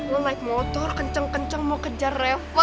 lo naik motor kenceng kenceng mau kejar revo